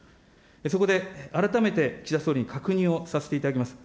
そこで改めて岸田総理に確認をさせていただきます。